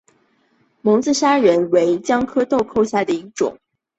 蒙自砂仁为姜科豆蔻属下的一个种。